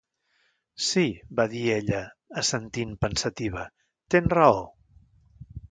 "Sí", va dir ella, assentint pensativa, "tens raó".